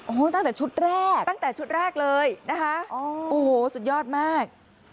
โอ้โหตั้งแต่ชุดแรกตั้งแต่ชุดแรกเลยนะคะโอ้โหสุดยอดมาก